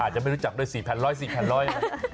อาจจะไม่รู้จักด้วย๔แพนร้อย๔แพนร้อย